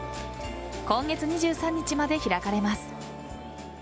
今月２３日まで開かれます。